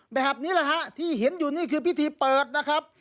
แบบนี้แหละฮะที่เห็นอยู่นี่คือพิธีเปิดนะครับ